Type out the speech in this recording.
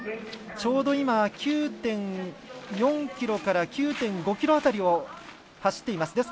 ちょうど今、９．４ｋｍから９．５ｋｍ辺りを走っています。